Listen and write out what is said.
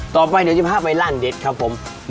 ตอบไปจะมีภาพไปล่างเด็ดครับครับผม